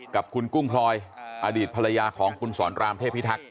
กับคุณกุ้งพลอยอดีตภรรยาของคุณสอนรามเทพิทักษ